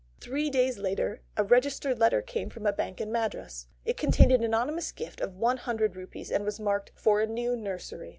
Three days later a registered letter came from a bank in Madras. It contained an anonymous gift of one hundred rupees, and was marked, "For a new nursery."